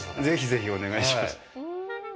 ぜひぜひ、お願いします。